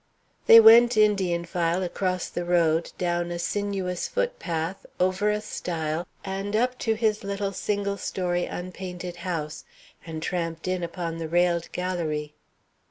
They went, Indian file, across the road, down a sinuous footpath, over a stile, and up to his little single story unpainted house, and tramped in upon the railed galérie.